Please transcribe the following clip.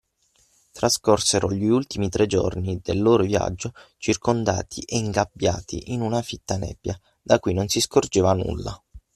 Trascorsero gli ultimi tre giorni del loro viaggio circondati e ingabbiati in una fitta nebbia, da cui non si scorgeva nulla.